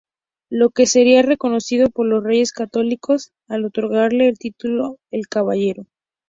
Lo que sería reconocido por los Reyes Católicos al otorgarle el título de caballero.